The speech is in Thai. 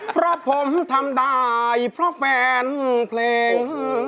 เพราะผมทำได้เพราะแฟนเพลง